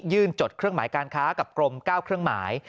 จดเครื่องหมายการค้ากับกรม๙เครื่องหมาย